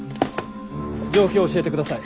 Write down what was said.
状況を教えてください。